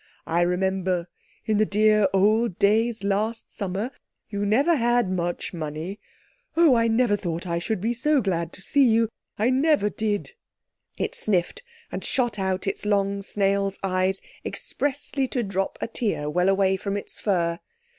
I remember in the dear old days last summer you never had much money. Oh—I never thought I should be so glad to see you—I never did." It sniffed, and shot out its long snail's eyes expressly to drop a tear well away from its fur.